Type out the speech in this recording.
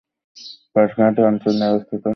কারখানাটি অঞ্চল নিয়ে অবস্থিত।